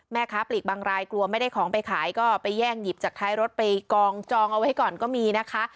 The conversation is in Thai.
แม่ค้าปลีกบางรายกลัวไม่ได้ของไปขายก็ไปแย่งหยิบจากท้ายรถไปกองจองเอาไว้ก่อนก็มีนะคะ